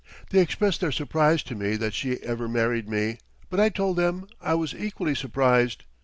They expressed their surprise to me that she ever married me, but I told them I was equally surprised.